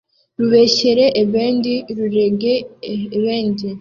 rubeshyere ebendi, rurege ebendi